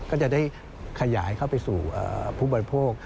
ก็จะได้ขยายเข้าไปสู่ผู้บริโภค